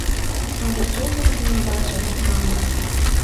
Шовычемын йолваже — мамык